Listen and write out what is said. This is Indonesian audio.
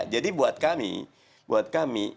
jadi buat kami